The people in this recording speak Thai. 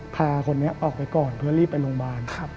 พาคนนี้ออกไปก่อนเพื่อรีบไปโรงพยาบาล